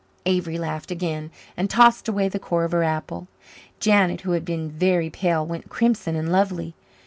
Avery laughed again, and tossed away the core of her apple. Janet, who had been very pale, went crimson and lovely.